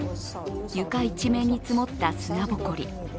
床一面に積もった砂ぼこり。